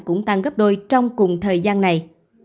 cũng tăng gấp đôi trong cùng thời gian này